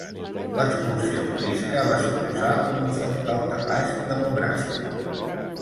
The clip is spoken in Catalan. L'expulsió morisca va suposar un fort daltabaix demogràfic.